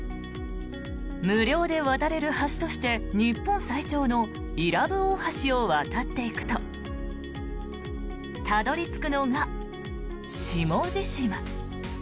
無料で渡れる橋として日本最長の伊良部大橋を渡っていくとたどり着くのが下地島。